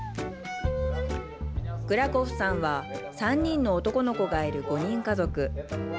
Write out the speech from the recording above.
グラコフさんは３人の男の子がいる５人家族。